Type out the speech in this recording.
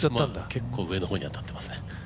結構上の方に当たってますね。